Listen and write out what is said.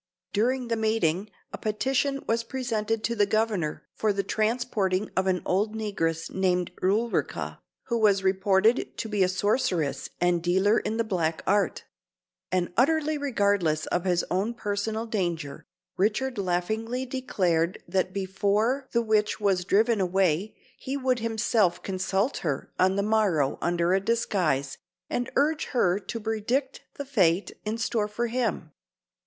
During the meeting, a petition was presented to the Governor for the transporting of an old negress named Ulrica, who was reported to be a sorceress and dealer in the black art; and, utterly regardless of his own personal danger, Richard laughingly declared that before the witch was driven away he would himself consult her on the morrow under a disguise, and urge her to predict the fate in store for him.